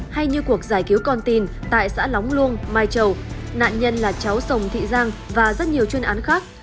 hay như cuộc giải cứu con tin tại xã lóng luông mai châu nạn nhân là cháu sồng thị giang và rất nhiều chuyên án khác